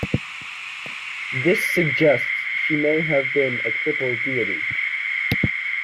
This suggests she may have been a triple deity.